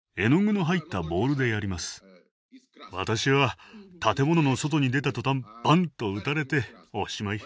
私は建物の外に出た途端「バン！」と撃たれておしまい。